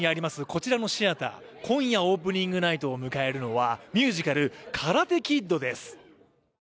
こちらのシアター、今夜オープニングナイトを迎えるのはミュージカル「カラテ・キッド」です。